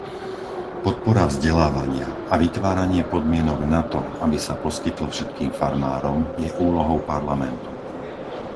Podpora vzdelávania a vytváranie podmienok nato, aby sa poskytlo všetkým farmárom, je úlohou Parlamentu.